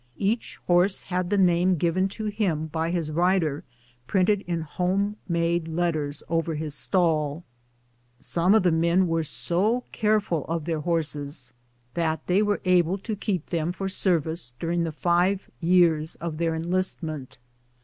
Each horse had the name given to him by his rider printed in home made letters over his stall. Some of the men were so careful of their horses that they were able to keep them for service during the five years of their enlistment.